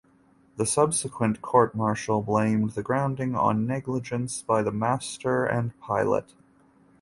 The subsequent court martial blamed the grounding on negligence by the master and pilot.